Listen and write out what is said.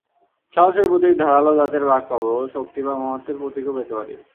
সাহসের প্রতীক ধারালো দাঁতের বাঘ পাব, শক্তি বা মহত্ত্বের প্রতীকও পেতে পারি।